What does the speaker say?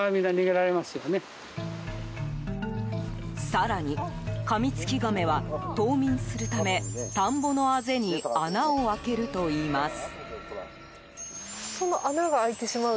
更にカミツキガメは冬眠するため田んぼのあぜに穴を開けるといいます。